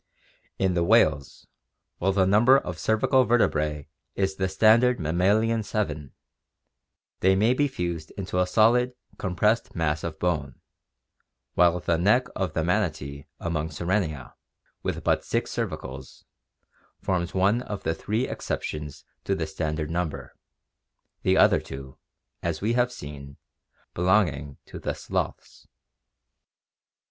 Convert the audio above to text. In the whales, while the number of cervical vertebrae is the standard mammalian seven, they may be fused into a solid, com pressed mass of bone, while the neck of the manatee among Sirenia, with but six cervicals, forms one of the three exceptions to the standard number, the other two, as we have seen, belonging to the sloths.